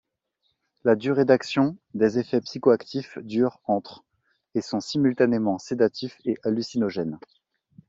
La durée d'action des effets psychoactifs durent entre et sont simultanément sédatifs et hallucinogènes.